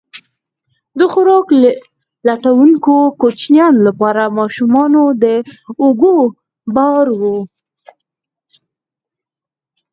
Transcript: د خوراک لټونکو کوچیانو لپاره ماشومان د اوږو بار وو.